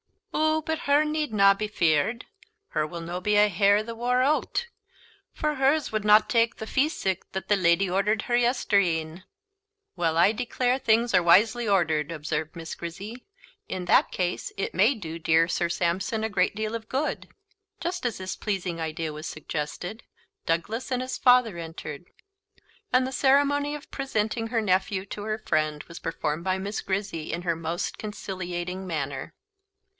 "Oo, but hur need na be feared, hur will no be a hair the war o't; for hurs wad na tak' the feesick that the leddie ordered hur yestreen." "Well, I declare things are wisely ordered," observed Miss Grizzy; "in that case it may do dear Sir Sampson a great deal of good." Just as this pleasing idea was suggested, Douglas and his father entered, and the ceremony of presenting her nephew to her friend was performed by Miss Grizzy in her most conciliating manner.